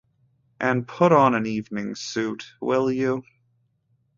And put on an evening suit, will you?